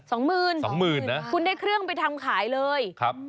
สองหมื่นสองหมื่นนะคุณได้เครื่องไปทำขายเลยครับ